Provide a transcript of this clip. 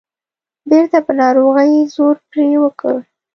بیرته به ناروغۍ زور پرې وکړ.